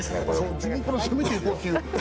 自分から攻めていこうっていう。